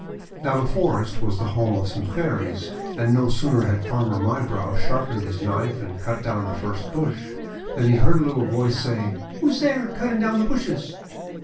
Now the forest was the home of some Fairies; and no sooner had Farmer Mybrow sharpened his knife and cut down the first bush, than he heard a little voice say :— 'Who is there, cutting down the bushes?'